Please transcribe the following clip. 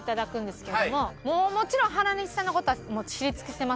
もちろん原西さんの事は知り尽くしてますか？